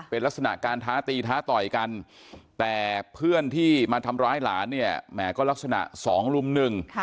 เป็นลักษณะการท้าตีท้าต่อยกันแต่เพื่อนที่มาทำร้ายหลานเนี่ยแหมก็ลักษณะสองลุมหนึ่ง